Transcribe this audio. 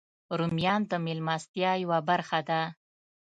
رومیان د میلمستیا یوه برخه ده